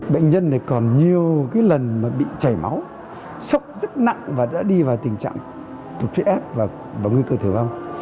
bệnh nhân này còn nhiều cái lần mà bị chảy máu sốc rất nặng và đã đi vào tình trạng thuộc trí ép và bằng nguy cơ thử vong